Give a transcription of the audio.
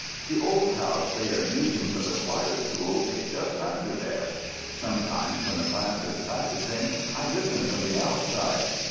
The old house they are using for the choir school is just under there. Sometimes when the class is practising, I listen from the outside.